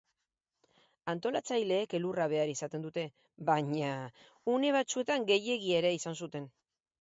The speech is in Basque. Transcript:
Antolatzaileek elurra behar izaten dute, baina une batzuetan gehiegi ere izan zuten.